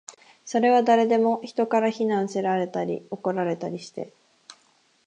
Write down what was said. それは誰でも、人から非難せられたり、怒られたりして